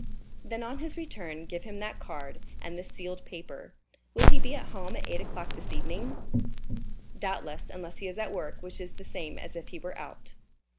"Then on his return give him that card and this sealed paper. Will he be at home at eight o'clock this evening?" "Doubtless, unless he is at work, which is the same as if he were out."